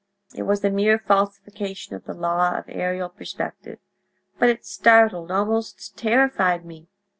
It was a mere falsification of the law of aerial perspective, but it startled, almost terrified me.